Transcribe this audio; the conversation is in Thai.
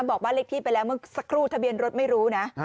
บอกว่าเลขที่ไปแล้วเมื่อสักครู่ทะเบียนรถไม่รู้นะ